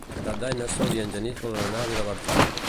Per Cap d'Any na Sol i en Genís volen anar a Vilabertran.